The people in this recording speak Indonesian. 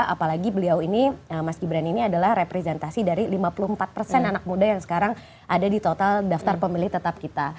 apalagi beliau ini mas gibran ini adalah representasi dari lima puluh empat anak muda yang sekarang ada di total daftar pemilih tetap kita